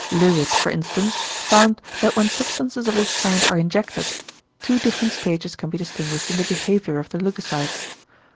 Löwit for instance found that when substances of this kind are injected, two different stages can be distinguished in the behaviour of the leucocytes.